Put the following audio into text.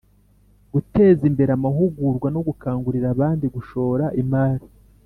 guteza imbere amahugurwa no gukangurira abandi gushora imari